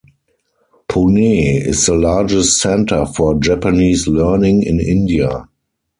Pune is the largest centre for Japanese learning in India.